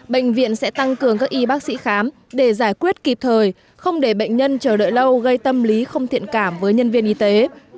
bệnh viện sẽ tăng cường các y bác sĩ khám để giải quyết kịp thời không để bệnh nhân chờ đợi lâu gây tâm lý không thiện cảm với nhân viên y tế